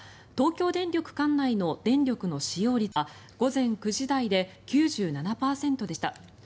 東京電力管内の電力の使用率は午前９時台で９７％でした。